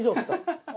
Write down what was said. ハハハハ！